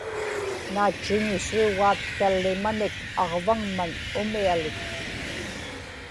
naatchiñisuugaat tallimanik aġvaŋman umialik